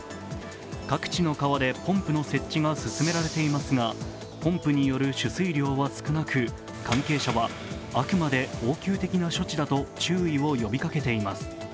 各地の川でポンプの設置が進められていますが、ポンプによる取水量は少なく、関係者はあくまで応急的な処置だと注意を呼びかけています。